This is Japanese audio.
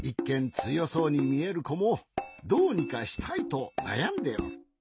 つよそうにみえるこもどうにかしたいとなやんでおる。